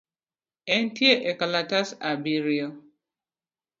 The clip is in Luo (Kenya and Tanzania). Entie e klas abirio